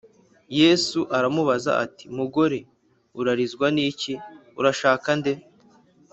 Yesu aramubaza ati mugore urarizwa n iki Urashaka nde